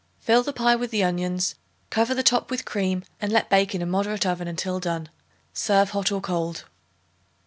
Fill the pie with the onions, cover the top with cream and let bake in a moderate oven until done. Serve hot or cold.